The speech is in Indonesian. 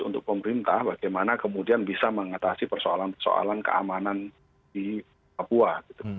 untuk pemerintah bagaimana kemudian bisa mengatasi persoalan persoalan keamanan di papua